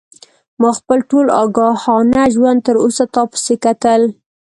ما خپل ټول آګاهانه ژوند تر اوسه تا پسې کتل.